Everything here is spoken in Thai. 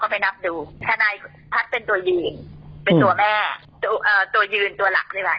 เป็นตัวแม่ตัวยืนตัวหลักใช่ไหมคะ